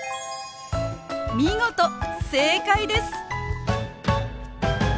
見事正解です！